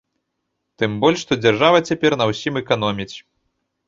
Тым больш, што дзяржава цяпер на ўсім эканоміць.